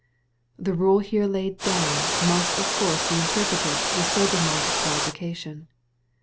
The rule here laid down must of course be interpreted with sober minded qualification.